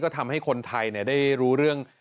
ทำให้คนไทยได้รู้เรื่อง